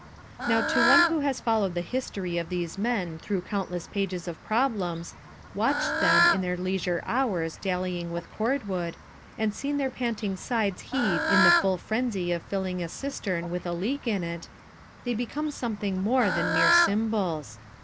Now to one who has followed the history of these men through countless pages of problems, watched them in their leisure hours dallying with cord wood, and seen their panting sides heave in the full frenzy of filling a cistern with a leak in it, they become something more than mere symbols.